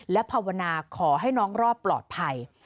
และภาวนาขอให้น้องรอดปลอดภัย